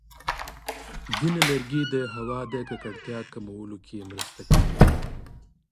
ځینې لرګي د هوا د ککړتیا کمولو کې مرسته کوي.